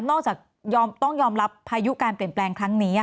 ต้องยอมรับพายุการเปลี่ยนแปลงครั้งนี้